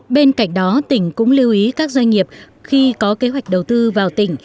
bên cạnh đó tỉnh cũng lưu ý các doanh nghiệp khi có kế hoạch đầu tư vào tỉnh